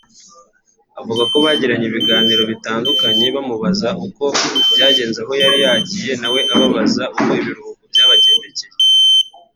Avuga ko bagiranye ibiganiro bitandukanye bamubaza uko byagenze aho yari yagiye nawe ababaza uko ibiruhuko byabagendekeye